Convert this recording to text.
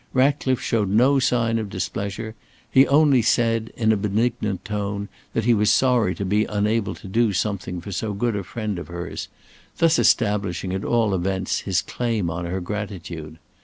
Ratcliffe showed no sign of displeasure; he only said, in a benignant tone, that he was sorry to be unable to do something for so good a friend of hers; thus establishing, at all events, his claim on her gratitude.